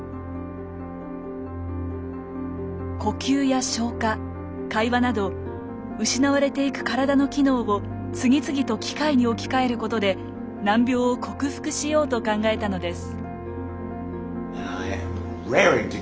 呼吸や消化会話など失われていく体の機能を次々と機械に置き換えることで難病を克服しようと考えたのです。